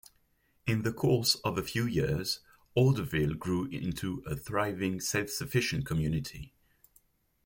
In the course of a few years, Orderville grew into a thriving, self-sufficient community.